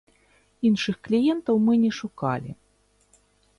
Іншых кліентаў мы не шукалі.